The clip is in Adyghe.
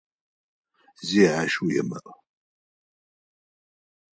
Zi aş yêmı'u!